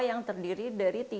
yang terdiri dari tiga zat aktif